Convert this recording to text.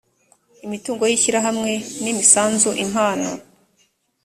imitungo y ishyirahamwe ni imisanzu impano